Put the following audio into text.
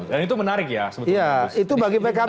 dan itu menarik ya sebetulnya